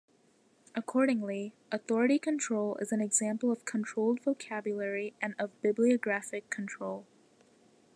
Accordingly, authority control is an example of controlled vocabulary and of bibliographic control.